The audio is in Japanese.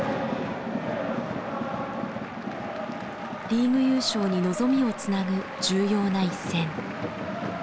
リーグ優勝に望みをつなぐ重要な一戦。